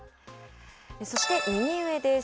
そして右上です。